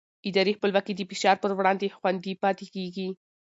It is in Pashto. اداري خپلواکي د فشار پر وړاندې خوندي پاتې کېږي